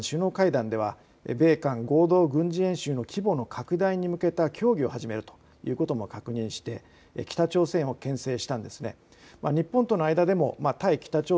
また、おとといの米韓首脳会談では米韓合同軍事演習の規模の拡大に向けた協議を始めるということも確認して北朝鮮をけん制したんです。